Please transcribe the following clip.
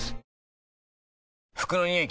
服のニオイ